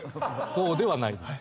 そうではないです。